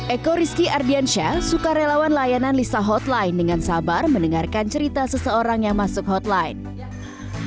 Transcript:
eko rizky ardiansyah suka relawan layanan lisa hotline dengan sabar mendengarkan cerita seseorang yang masuk hotline